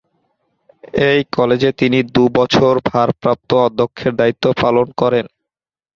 এই কলেজে তিনি দু' বছর ভারপ্রাপ্ত অধ্যক্ষের দায়িত্ব পালন করেন।